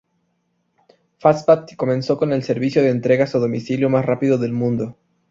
Fastback comenzó con El Servicio de Entregas a Domicilio más Rápido del Mundo.